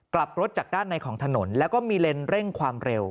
กลับรถจากด้านในของถนนแล้วก็มีเลนเร่งความเร็ว